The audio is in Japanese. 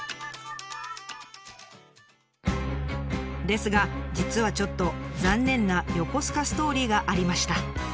ですが実はちょっと残念な横須賀ストーリーがありました。